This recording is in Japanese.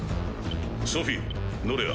ソフィノレア。